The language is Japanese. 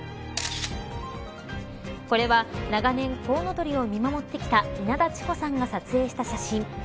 これは長年コウノトリを見守ってきた稲田千帆さんが撮影した写真。